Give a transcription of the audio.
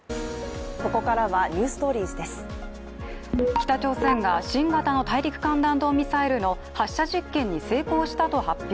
北朝鮮が新型の大陸間弾道ミサイルの発射実験に成功したと発表。